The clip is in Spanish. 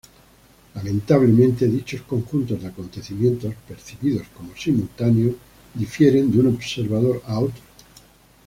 Lamentablemente, dichos conjuntos de acontecimientos percibidos como simultáneos difieren de un observador a otro.